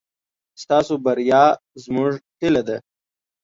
ستاسو بريا زموږ هيله ده.